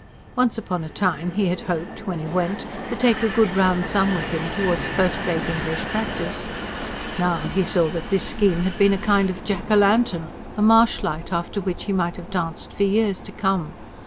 Once upon a time he had hoped, when he went, to take a good round sum with him towards a first rate English practice. Now he saw that this scheme had been a kind of Jack o' lantern a marsh light after which he might have danced for years to come.